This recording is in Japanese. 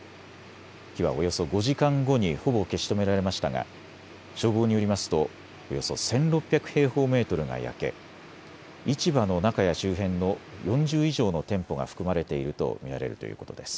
火はおよそ５時間後にほぼ消し止められましたが消防によりますとおよそ１６００平方メートルが焼け市場の中や周辺の４０以上の店舗が含まれていると見られるということです。